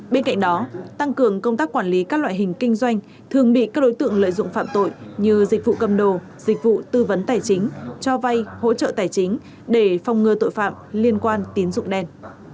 bên cạnh đó tăng cường công tác quản lý các loại hình kinh doanh thường bị các đối tượng lợi dụng phạm tội như dịch vụ cầm đồ dịch vụ tư vấn tài chính cho vay hỗ trợ tài chính để phòng ngừa tội phạm liên quan tín dụng đen